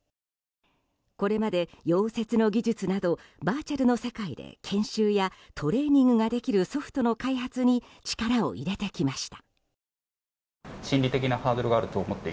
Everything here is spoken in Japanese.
これまで、溶接の技術などバーチャルの世界で研修やトレーニングができるソフトの開発に力を入れてきました。